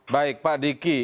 baik pak diki